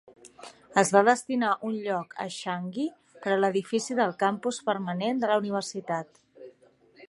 Es va destinar un lloc a Changi per a l'edifici del campus permanent de la universitat.